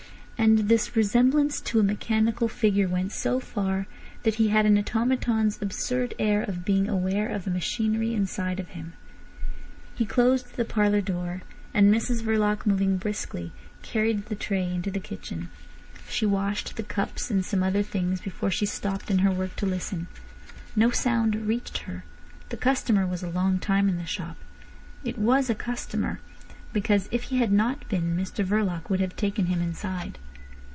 And this resemblance to a mechanical figure went so far that he had an automaton's absurd air of being aware of the machinery inside of him. He closed the parlour door, and Mrs Verloc moving briskly, carried the tray into the kitchen. She washed the cups and some other things before she stopped in her work to listen. No sound reached her. The customer was a long time in the shop. It was a customer, because if he had not been Mr Verloc would have taken him inside.